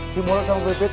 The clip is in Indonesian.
si moro selalu bergigit